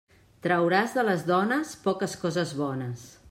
Trauràs de les dones poques coses bones.